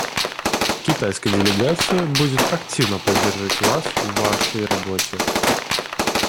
Китайская делегация будет активно поддерживать вас в вашей работе.